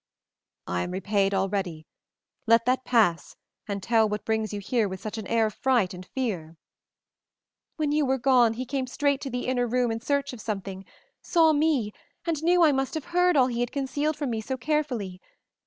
"I am repaid already. Let that pass, and tell what brings you here with such an air of fright and fear?" "When you were gone he came straight to the inner room in search of something, saw me, and knew I must have heard all he had concealed from me so carefully.